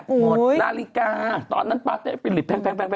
หมดนาฬิกาตอนนั้นปั๊บจะไปหลีบแพง